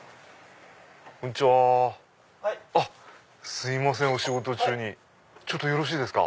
すいませんお仕事中にちょっとよろしいですか？